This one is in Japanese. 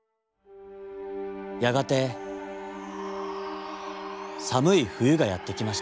やがてさむいふゆがやってきました。